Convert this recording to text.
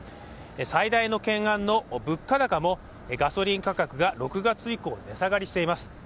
最大の懸案の物価高もガソリン価格が６月以降値下がりしています。